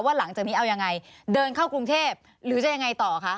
หลังจากนี้เอายังไงเดินเข้ากรุงเทพหรือจะยังไงต่อคะ